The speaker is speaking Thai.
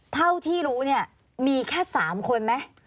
เธอที่รู้หน่อยมีแค่๓คนไหม